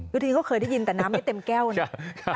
บางทีก็เคยได้ยินแต่น้ำไม่เต็มแก้วนะ